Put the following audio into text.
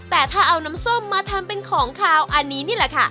แต่ถ้าเอาน้ำส้มมาทำเป็นของขาวอันนี้นี่แหละค่ะ